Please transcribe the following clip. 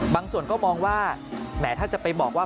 ส่วนก็มองว่าแหมถ้าจะไปบอกว่า